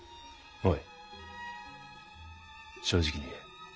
おい正直に言え。